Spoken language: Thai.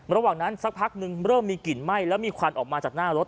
ระหว่างนั้นสักพักนึงเริ่มมีกลิ่นไหม้แล้วมีควันออกมาจากหน้ารถ